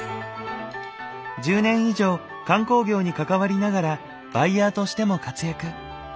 １０年以上観光業に関わりながらバイヤーとしても活躍。